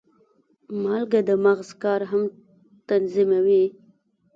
مالګه د مغز کار هم تنظیموي.